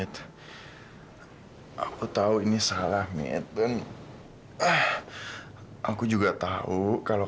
nanti morsi gua juga kesis